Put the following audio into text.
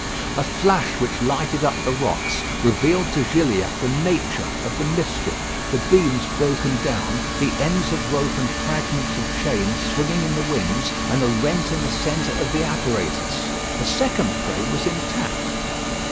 A flash which lighted up the rocks revealed to Gilliatt the nature of the mischief; the beams broken down, the ends of rope and fragments of chain swinging in the winds, and a rent in the centre of the apparatus. The second frame was intact.